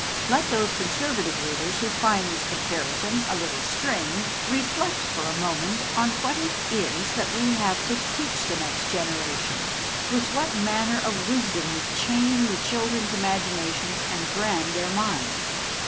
Let those conservative readers who find this comparison a little strained reflect for a moment on what it is that we have to teach the next generation, with what manner of 236 THE DAY BEFORE YESTERDAY wisdom we chain the children's imaginations and brand their minds.